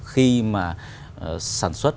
khi mà sản xuất